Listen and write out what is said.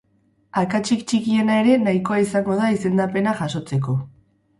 Akatsik txikiena ere nahikoa izango da izendapena jasotzeko.